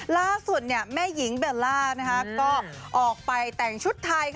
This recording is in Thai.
ล่าสุดแม่หญิงเบลล่าก็ออกไปแต่งชุดไทย